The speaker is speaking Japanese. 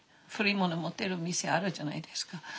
古い物持ってる店あるじゃないですか。